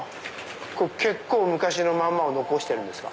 結構昔のまんまを残してるんですか？